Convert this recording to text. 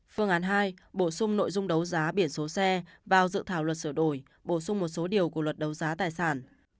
phương án hai bổ sung nội dung đấu giá biển số xe vào dự thảo luật sửa đổi bổ sung một số điều của luật đấu giá tài sản